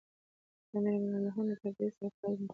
د امیر امان الله له تبعید سره پای مومي.